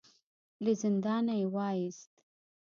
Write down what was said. له زندانه يې وايست.